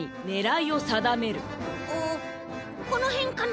あっこのへんかな？